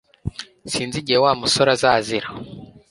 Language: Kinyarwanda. Sinzi igihe Wa musore azazira